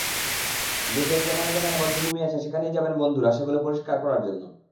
দেশের যেখানে যেখানে বধ্যভূমি আছে, সেখানেই যাবেন বন্ধুরা সেগুলো পরিষ্কার করার জন্য।